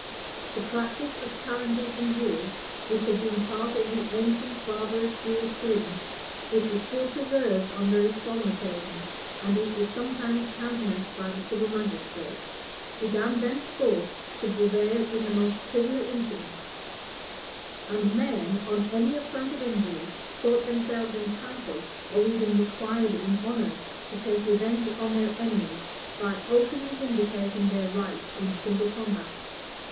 The practice of challenges and duels, which had been part of the ancient barbarous jurisprudence, which was still preserved on very solemn occasions, and which was sometimes countenanced by the civil magistrate, began thenceforth to prevail in the most trivial incidents; and men, on any affront or injury, thought themselves entitled, or even required in honor, to take revenge on their enemies, by openly vindicating their right in single combat.